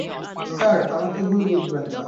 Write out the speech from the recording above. Sir, আমাকে ভুল বুঝবেন না।